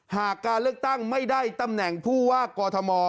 หากการเลือกตั้งไม่ได้ตำแหน่งผู้ว่ากอทม